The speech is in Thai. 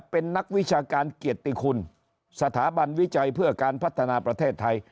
เป็นนักวิชาการเกียรติคุณสถาบันวิจัยเพื่อการพัฒนาประเทศไทย